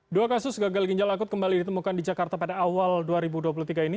dua kasus gagal ginjal akut kembali ditemukan di jakarta pada awal dua ribu dua puluh tiga ini